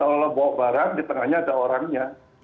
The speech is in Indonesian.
kalau bawa barang di tengahnya ada orangnya